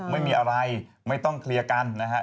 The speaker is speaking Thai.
ไม่มีอะไรไม่ต้องเคลียร์กันนะฮะ